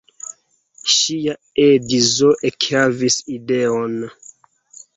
Ŝia edzo ekhavis ideon.